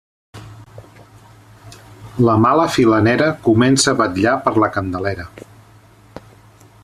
La mala filanera comença a vetllar per la Candelera.